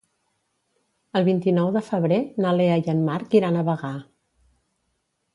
El vint-i-nou de febrer na Lea i en Marc iran a Bagà.